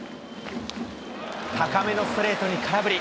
高めのストレートに空振り。